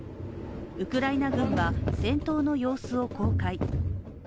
ウクライナ軍は戦闘の様子を公開。